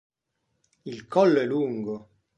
Il collo è lungo.